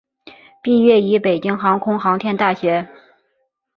毕业于北京航空航天大学。